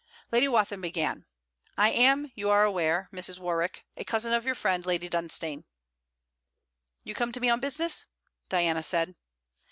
Lady Wathin began. 'I am, you are aware, Mrs. Warwick, a cousin of your friend Lady Dunstane.' 'You come to me on business?' Diana said.